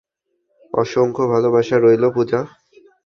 অসংখ ভালোবাসা রইলো, পূজা।